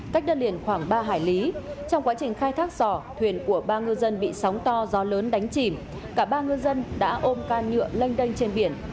cách đất liền khoảng ba hải lý trong quá trình khai thác sò thuyền của ba ngư dân bị sóng to do lớn đánh chìm cả ba ngư dân đã ôm can nhựa lênh đênh trên biển